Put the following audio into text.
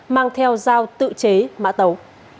mang theo dao tự chế mã tàu